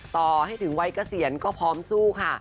ต่อให้ถึงวัยเกษียณก็พร้อมสู้ค่ะ